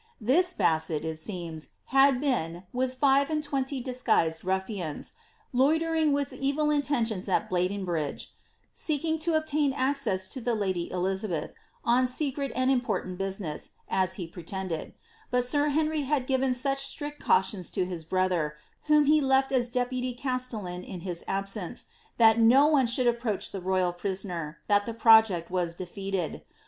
Tiiia Bwtet, it seems, had been, with five and twenty disguised rumans, loitering with evil intentions at Bladenbndge, seeking to obtain access to the kdy Elizabeth, on secret and important business, as he pretended ; bat rir Henry had given such strict cautions to his brother, whom he left as deputy castellan in his absence, that no one should approach the roval prisoner, that the project was defeated.